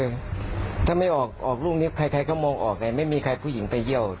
ถ้าไม่ออกออกลูกนี้ใครก็มองออกไงไม่มีใครผู้หญิงไปเยี่ยว